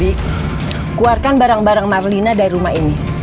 bik keluarkan barang barang marlina dari rumah ini